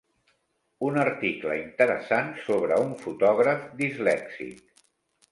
Un article interessant sobre un fotògraf dislèxic.